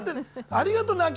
ありがとう。